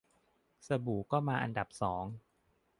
สบู่ก็มาอันดับสอง